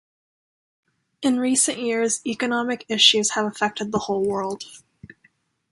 In recent years, economic issues have affected the whole world.